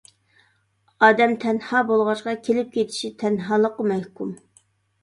ئادەم تەنھا بولغاچقا، كېلىپ كېتىشى تەنھالىققا مەھكۇم!